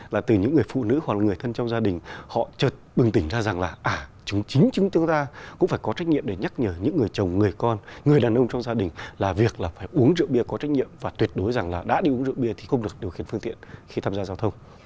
là từ những người phụ nữ hoặc người thân trong gia đình họ chật bừng tỉnh ra rằng là à chúng chính chúng ta cũng phải có trách nhiệm để nhắc nhở những người chồng người con người đàn ông trong gia đình là việc là phải uống rượu bia có trách nhiệm và tuyệt đối rằng là đã đi uống rượu bia thì không được điều khiển phương tiện khi tham gia giao thông